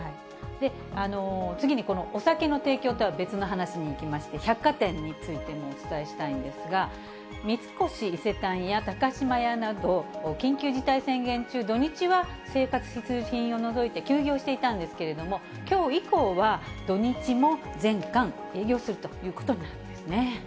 次にこのお酒の提供とは別の話にいきまして、百貨店についてもお伝えしたいんですが、三越伊勢丹や高島屋など、緊急事態宣言中、土日は生活必需品を除いて、休業していたんですけれども、きょう以降は土日も全館営業するということになるんですね。